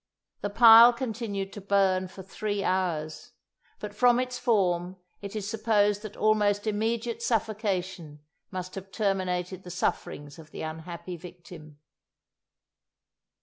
The pile continued to burn for three hours; but from its form it is supposed that almost immediate suffocation must have terminated the sufferings of the unhappy victim."